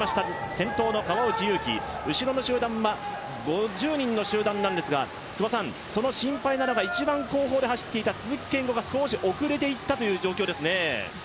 先頭の川内優輝、後ろの集団は５０人の集団なんですが、諏訪さん、その心配なのが一番後方で走っていた鈴木健吾が少し遅れていったという状況ですね。